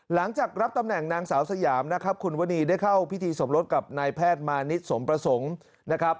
หลังจากรับตำแหน่งนางสาวสยามนะครับคุณวนีได้เข้าพิธีสมรสกับนายแพทย์มานิดสมประสงค์นะครับ